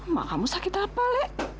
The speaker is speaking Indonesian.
mak kamu sakit apa lek